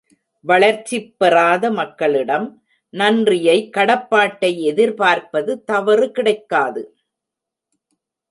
வளர்ச்சிப் பெறாத மக்களிடம் நன்றியை கடப்பாட்டை எதிர்பார்ப்பது தவறு கிடைக்காது.